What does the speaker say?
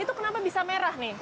itu kenapa bisa merah nih